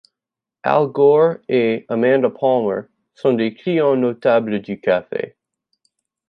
Al Gore et Amanda Palmer sont des clients notables du café.